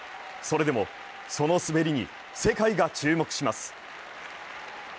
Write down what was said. それでも、その滑りに世界が注目します。